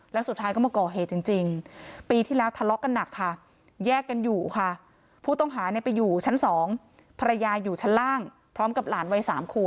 แล้วสุดท้ายก็มาก่อเหตุจริงปีที่แล้วทะเลาะกันหนัก